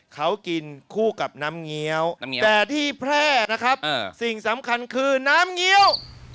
เขากินคู่กับน้ำเงี้ยวแต่ที่แพร่นะครับสิ่งสำคัญคือน้ำเงี้ยว